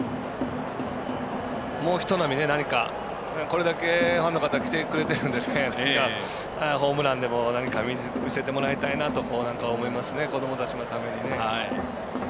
もう一波、何かこれだけファンの方が来てくれているんでホームランでも何か見せてもらいたいなと思いますね。